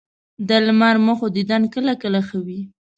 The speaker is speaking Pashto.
د لمر مخو دیدن کله کله ښه وي